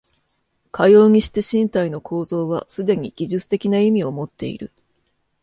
かようにして身体の構造はすでに技術的な意味をもっている。